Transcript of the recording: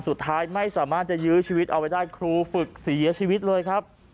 สุดท้ายไม่สามารถจะยื้อชีวิตเอาไว้ได้ครูฝึกเสียชีวิตเลยครับ